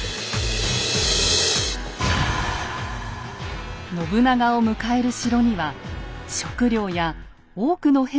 信長を迎える城には食料や多くの兵が休む場所があります。